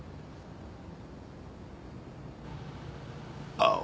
ああ。